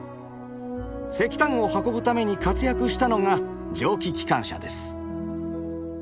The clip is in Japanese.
石炭を運ぶために活躍したのが蒸気機関車です。